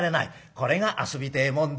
これが遊びてえもんで。